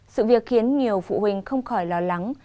sự việc khiến nhiều phụ huynh không khỏi lo lắng